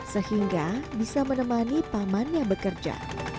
sehingga bisa menemani pamannya bekerja